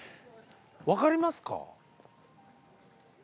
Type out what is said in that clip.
分かりますか？